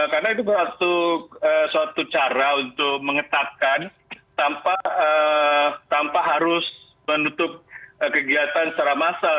karena itu suatu cara untuk mengetatkan tanpa harus menutup kegiatan secara massal